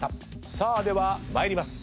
さあでは参ります。